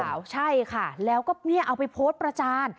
บอกใช่ค่ะเขาก็เอาไปโพสต์ประจาน